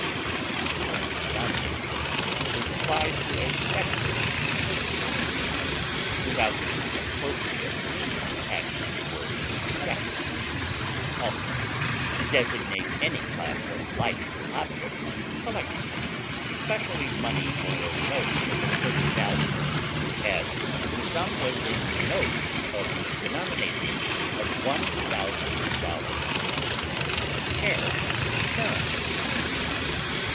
The term denomination is applied to a separate religious organization, without the opprobrious meaning attaching to the word "sect;" also, to designate any class of like objects collectively, especially money or notes of a certain value; as, the sum was in notes of the denomination of one thousand dollars. Compare TERM.